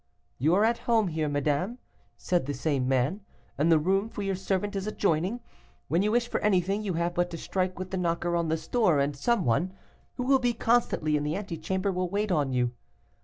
"'You are at home here, madame,' said the same man, 'and the room for your servant is adjoining. When you wish for anything, you have but to strike with the knocker on this door, and some one, who will be constantly in the antechamber, will wait on you.